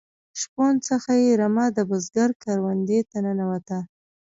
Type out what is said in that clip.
شپون څخه یې رمه د بزگر کروندې ته ننوته.